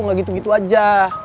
gak gitu gitu aja